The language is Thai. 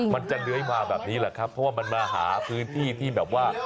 มันจะเลื้อยมาแบบนี้แหละครับเพราะว่ามันมาหาพื้นที่ที่แบบว่า